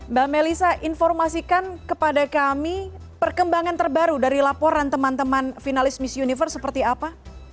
mbak melisa informasikan kepada kami perkembangan terbaru dari laporan teman teman finalis miss universe seperti apa